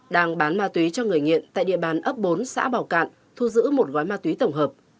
đang bán ma túy cho người nghiện tại địa bàn ấp bốn xã bảo cạn thu giữ một gói ma túy tổng hợp